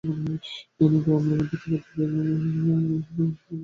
বিভিন্ন ধর্মের মধ্যে থাকা উত্তেজনা এবং শত্রুতা কমানোর কৌশল হিসেবে তারা এটা করে থাকেন।